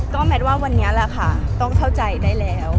ก็แมทว่าวันนี้แหละค่ะต้องเข้าใจได้แล้ว